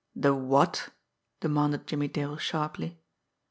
"The what?" demanded Jimmie Dale sharply.